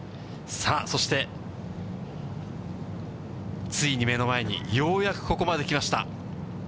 さあ、そして、ついに目の前に、ようやくここまで来ました。